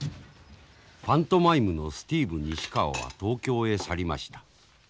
パントマイムのスティーブ西川は東京へ去りました。